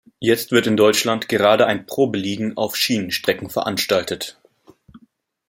Jetzt wird in Deutschland gerade ein Probeliegen auf Schienenstrecken veranstaltet.